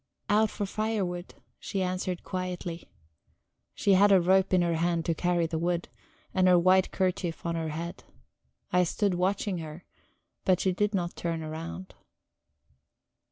"Out for firewood," she answered quietly. She had a rope in her hand to carry the wood, and her white kerchief on her head. I stood watching her, but she did not turn round.